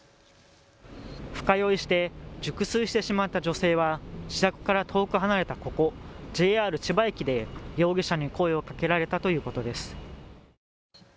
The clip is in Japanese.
深酔いして熟睡してしまった女性は自宅から遠く離れたここ、ＪＲ千葉駅で容疑者に声をかけられたということです。